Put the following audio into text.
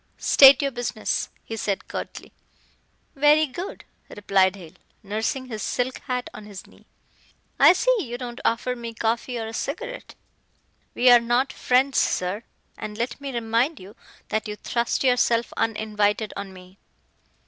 "State your business," he said curtly. "Very good," replied Hale, nursing his silk hat on his knee. "I see you don't offer me coffee or a cigarette." "We are not friends, sir. And let me remind you that you thrust yourself uninvited on me."